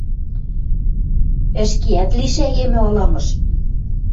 Ӹшкеӓт лишӓйӹмӹ ыламыш!